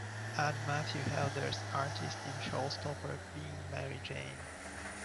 add Matthew Helders artist in Showstopper Being Mary Jane